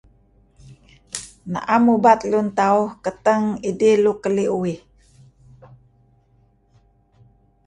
Na'em ubat lun tauh keteng idih keli' uih.